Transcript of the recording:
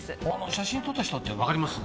写真撮った人ってわかります？